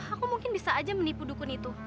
aku mungkin bisa aja menipu dukun itu